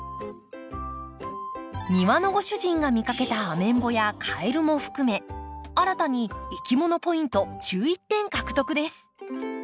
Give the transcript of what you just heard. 庭のご主人が見かけたアメンボやカエルも含め新たにいきものポイント１１点獲得です。